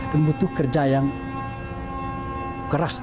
dan butuh kerja yang keras